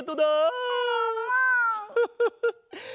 フフフッ。